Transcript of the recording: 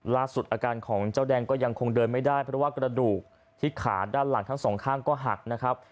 อาการของเจ้าแดงก็ยังคงเดินไม่ได้เพราะว่ากระดูกที่ขาด้านหลังทั้งสองข้างก็หักนะครับ